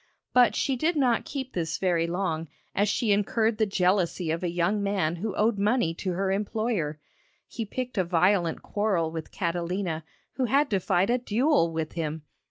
But she did not keep this very long, as she incurred the jealousy of a young man who owed money to her employer. He picked a violent quarrel with Catalina, who had to fight a duel with him.